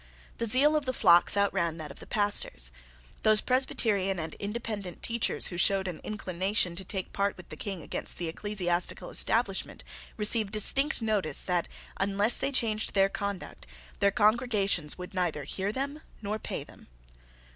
The zeal of the flocks outran that of the pastors. Those Presbyterian and Independent teachers who showed an inclination to take part with the King against the ecclesiastical establishment received distinct notice that, unless they changed their conduct, their congregations would neither hear them nor pay them.